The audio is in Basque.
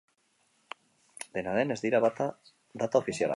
Dena den, ez dira data ofizialak.